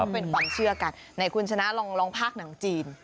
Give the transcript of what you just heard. เป็นความเชื่อกันไหนคุณชนะลองภาคหนังจีน